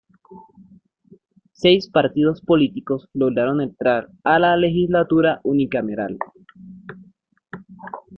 Seis partidos políticos lograron entrar a la legislatura unicameral.